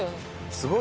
すごい！